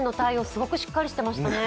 すごくしっかりしてましたね。